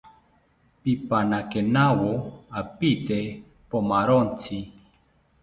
Pipanakenawo apiite pomarontzi